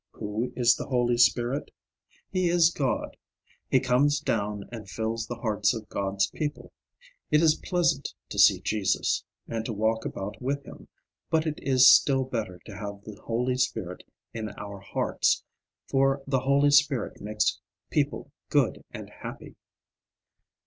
Who is the Holy Spirit? He is God; he comes down and fills the hearts of God's people. It is pleasant to see Jesus, and to walk about with him, but it is still better to have the Holy Spirit in our hearts, for the Holy Spirit makes people good and happy.